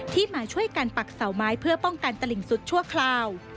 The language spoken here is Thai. มาช่วยกันปักเสาไม้เพื่อป้องกันตลิ่งสุดชั่วคราว